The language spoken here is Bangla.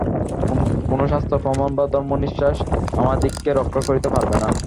কোন শাস্ত্র-প্রমাণ বা ধর্মবিশ্বাস আমাদিগকে রক্ষা করিতে পারে না।